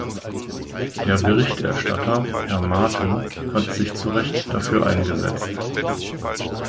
Der Berichterstatter, Herr Maaten, hat sich zu Recht dafür eingesetzt.